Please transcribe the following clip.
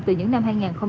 từ những năm hai nghìn bốn